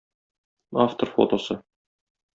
Автор фотосы.